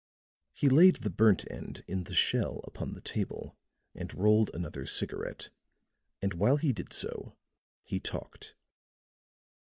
He laid the burnt end in the shell upon the table and rolled another cigarette; and while he did so, he talked.